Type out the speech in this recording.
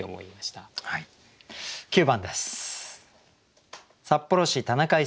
９番です。